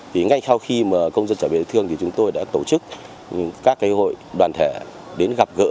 thì ngay sau khi mà công dân trở về địa thương thì chúng tôi đã tổ chức các hội đoàn thể đến gặp gỡ